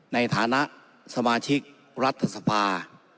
ในฐานะสมาชิกรัฐสภา